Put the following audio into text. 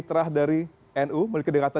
terah dari nu memiliki kedekatan